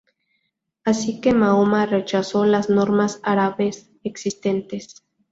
Así que Mahoma rechazó las normas árabes existentes.